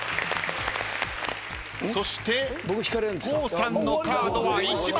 そして郷さんのカードは１枚。